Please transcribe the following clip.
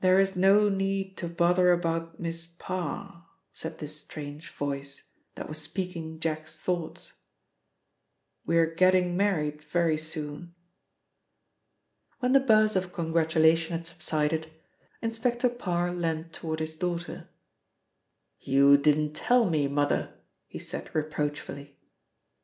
"There is no need to bother about Miss Parr," said this strange voice, that was speaking Jack's thoughts, "we are getting married very soon." When the buzz of congratulation had subsided, Inspector Parr leant toward his daughter. "You didn't tell me. Mother," he said reproachfully.